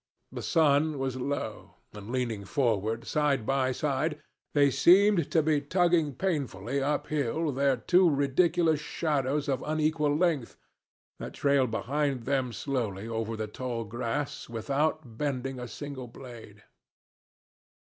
The sun was low; and leaning forward side by side, they seemed to be tugging painfully uphill their two ridiculous shadows of unequal length, that trailed behind them slowly over the tall grass without bending a single blade.